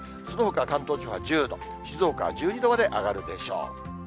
そのほか、関東地方は１０度、静岡は１２度まで上がるでしょう。